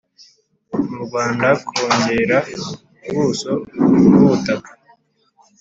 mu rwanda kongera ubuso bw'ubutaka